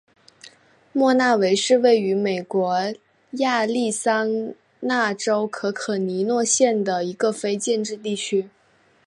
莫纳维是位于美国亚利桑那州可可尼诺县的一个非建制地区。